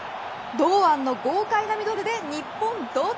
堂安の豪快なミドルで日本同点。